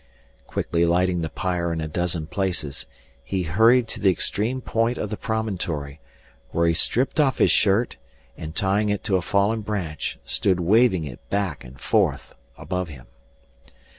Quickly lighting the pyre in a dozen places, he hurried to the extreme point of the promontory, where he stripped off his shirt, and, tying it to a fallen branch, stood waving it back and forth above him.